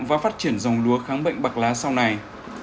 và phát triển dòng lúa kháng bệnh bạc lá sau này